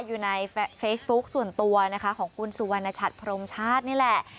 อยู่ในเฟซบุ๊กส่วนตัวนะคะของคุณสุวรรณชัดพรมชาตินี่แหละ